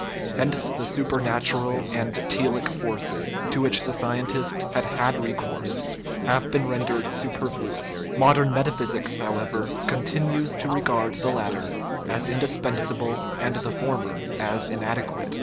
Hence the supernatural and telic forces, to which the scientist had had recourse, have been rendered super fluous. Modern metaphysics, however, continues to regard the latter as indispensable and the former as inadequate.